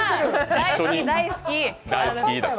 大好き大好き。